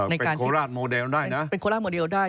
โคราชโมเดลได้นะเป็นโคราชโมเดลได้